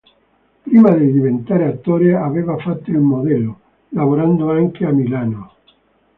Prima di diventare attore, aveva fatto il modello, lavorando anche a Milano.